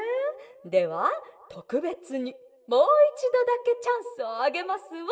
ではとくべつにもういちどだけチャンスをあげますわ」。